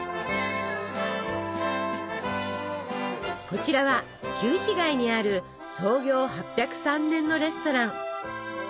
こちらは旧市街にある創業８０３年のレストラン。